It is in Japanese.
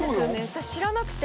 私知らなくて。